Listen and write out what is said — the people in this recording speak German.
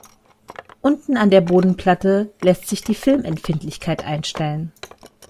Unten an der Bodenplatte lässt sich die "Filmempfindlichkeit" einstellen.